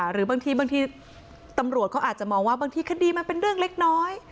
หรือบางทีบางทีตำรวจเขาอาจจะมองว่าบางทีคดีมันเป็นเรื่องเล็กน้อย